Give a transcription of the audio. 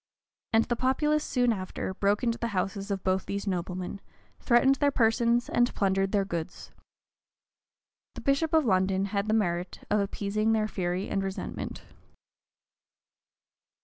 [] And the populace, soon after, broke into the houses of both these noblemen, threatened their persons, and plundered their goods. The bishop of London had the merit of appeasing their fury and resentment.